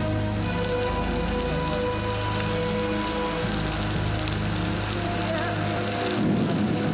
ayah pakai malam ini